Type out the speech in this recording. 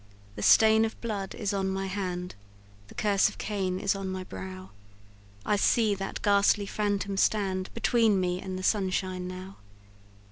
The stain of blood is on my hand, The curse of Cain is on my brow; I see that ghastly phantom stand Between me and the sunshine now!